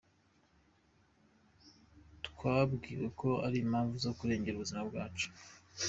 Twabwiwe ko ari impamvu zo kurengera ubuzima bwacu.